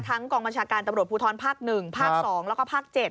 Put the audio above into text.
กองบัญชาการตำรวจภูทรภาค๑ภาค๒แล้วก็ภาค๗